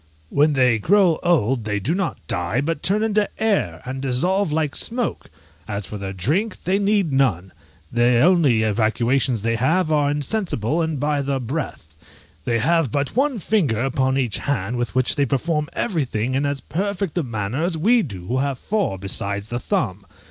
When they grow old they do not die, but turn into air, and dissolve like smoke! As for their drink, they need none; the only evacuations they have are insensible, and by their breath. They have but one finger upon each hand, with which they perform everything in as perfect a manner as we do who have four besides the thumb.